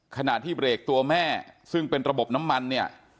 ขณะที่เบรกตัวแม่ซึ่งเป็นระบบน้ำมันเนี่ย